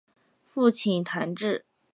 父亲谭智。